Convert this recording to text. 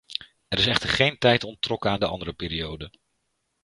Er is echter geen tijd onttrokken aan de andere perioden.